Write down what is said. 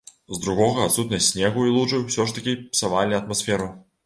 З другога, адсутнасць снегу і лужы ўсё ж такі псавалі атмасферу.